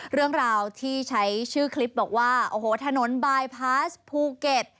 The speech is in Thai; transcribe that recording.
เรื่องราวที่ใช้ชื่อคลิปบอกว่าโอ้โหถนนบายพาสภูเก็ต